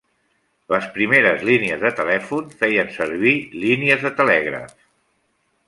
Les primeres línies de telèfon feien servir línies de telègraf.